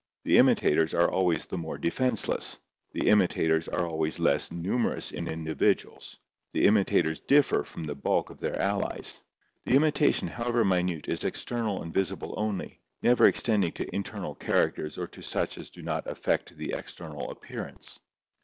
2. The imitators are always the more defenseless. 3. The imitators are always less numerous in individuals. 246 ORGANIC EVOLUTION 4. The imitators differ from the bulk of their allies. 5. The imitation, however minute, is external and visible only, never extending to internal characters or to such as do not affect the external appearance.